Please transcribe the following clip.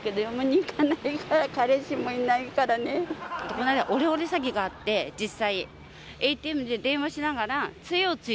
この間オレオレ詐欺があって実際。